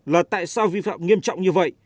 là tại sao vi phạm nghiêm trọng như vậy